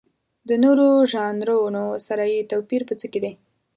د نورو ژانرونو سره یې توپیر په څه کې دی؟